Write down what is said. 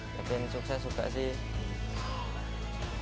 saya pengen sukses juga sih